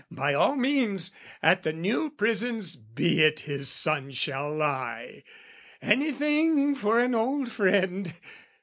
By all means! "At the New Prisons be it his son shall lie, "Anything for an old friend!"